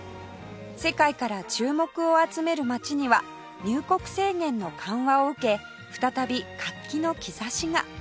世界から注目を集める街には入国制限の緩和を受け再び活気の兆しが